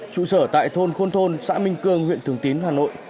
chủ sở tại thôn khôn thôn xã minh cương huyện thường tín hà nội